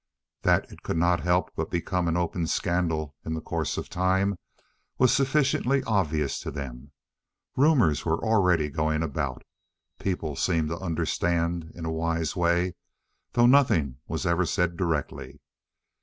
That it could not help but become an open scandal, in the course of time, was sufficiently obvious to them. Rumors were already going about. People seemed to understand in a wise way, though nothing was ever said directly.